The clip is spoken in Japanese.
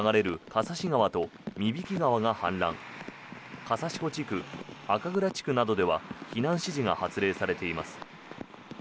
笠師保地区、赤蔵地区などでは避難指示が発令されています。